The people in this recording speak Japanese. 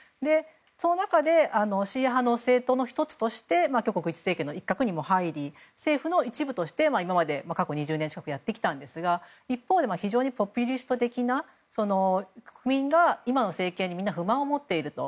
その中でシーア派の政党の１つとして挙国一致政権の一角にも入り政府の一部として今まで、過去２０年近くやってきたんですが一方、非常にポピュリスト的な国民が今の政権にみんな不満を持っていると。